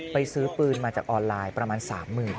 ไปซื้อปืนมาจากออนไลน์ประมาณสามหมื่น